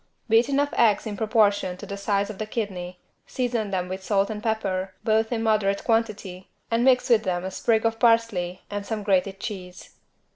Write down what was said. Beat enough eggs in proportion to the size of the kidney, season them with salt and pepper, both in moderate quantity and mix with them a sprig of parsley and some grated cheese.